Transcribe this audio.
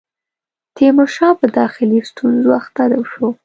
تیمورشاه په داخلي ستونزو اخته شو.